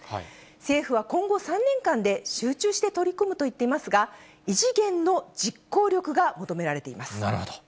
政府は今後３年間で、集中して取り組むと言っていますが、異次元の実行力が求められてなるほど。